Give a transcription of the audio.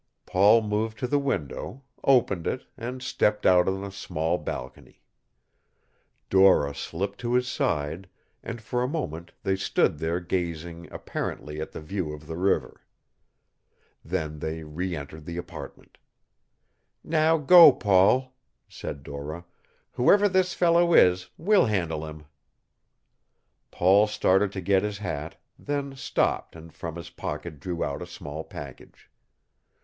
Paul moved to the window, opened it, and stepped out on a small balcony. Dora slipped to his side and for a moment they stood there gazing apparently at the view of the river. Then they re entered the apartment. "Now go, Paul," said Dora. "Whoever this fellow is, we'll handle him." Paul started to get his hat, then stopped and from his pocket drew out a small package.